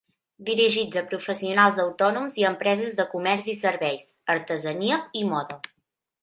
Dirigit a professionals autònoms i empreses de comerç i serveis, artesania i moda.